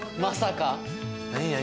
まさか何？